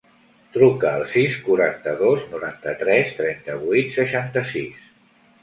Truca al sis, quaranta-dos, noranta-tres, trenta-vuit, seixanta-sis.